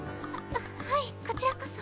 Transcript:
ははいこちらこそ。